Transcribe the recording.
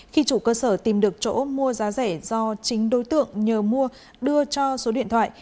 khi chủ cơ sở tìm được chỗ mua giá rẻ do chính đối tượng nhờ mua đưa cho số điện thoại